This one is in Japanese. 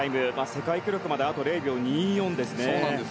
世界記録まであと０秒２４ですね。